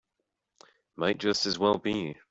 Might just as well be.